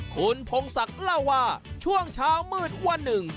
คุณพงศักดิ์เล่าว่าช่วงเช้ามืดวันหนึ่ง